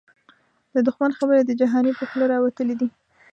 د دښمن خبري د جهانی په خوله راوتلی دې